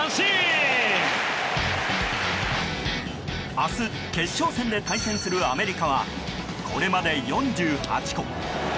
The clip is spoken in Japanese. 明日、決勝戦で対戦するアメリカは、これまで４８個。